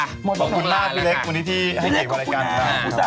ขอบคุณมาแล้วพี่เล็กและบุญทีให้แบบนี้มีพอนีกที